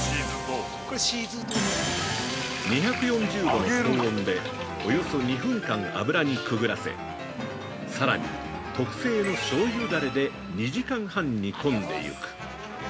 ２４０度の高温で、およそ２分間油にくぐらせさらに特製のしょうゆダレで２時間半煮込んでいく。